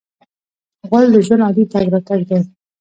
غول د ژوند عادي تګ راتګ دی.